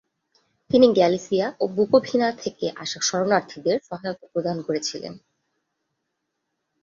তিনি গ্যালিসিয়া ও বুকোভিনা থেকে আসা শরণার্থীদের সহায়তা প্রদান করেছিলেন।